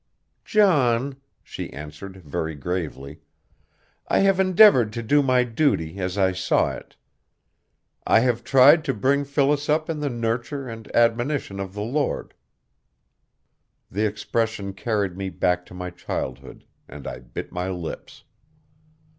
"John," she answered very gravely, "I have endeavored to do my duty as I saw it. I have tried to bring Phyllis up in the nurture and admonition of the Lord." The expression carried me back to my childhood, and I bit my lips.